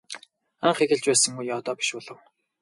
Анх эхэлж байсан үе одоо биш болов.